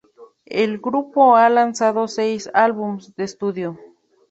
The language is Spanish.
El grupo ha lanzado seis álbumes de estudio.